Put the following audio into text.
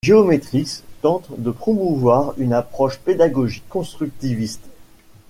Géométrix tente de promouvoir une approche pédagogique constructiviste.